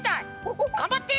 がんばって！